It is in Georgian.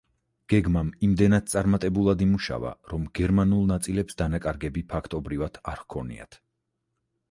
გეგმამ იმდენად წარმატებულად იმუშავა, რომ გერმანულ ნაწილებს დანაკარგები ფაქტობრივად არ ჰქონიათ.